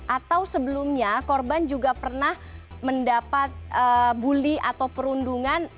atau sebelumnya korban juga pernah mendapat bully atau perundungan